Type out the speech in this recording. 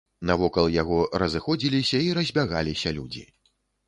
Навокал яго разыходзіліся і разбягаліся людзі.